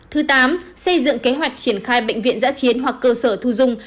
thứ tám xây dựng kế hoạch triển khai bệnh viện giã chiến hoặc cơ sở thu dung